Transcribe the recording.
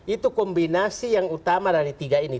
itu kombinasi yang utama dari tiga ini